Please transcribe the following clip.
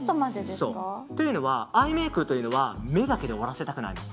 というのは、アイメイクは目だけで終わらせたくないの。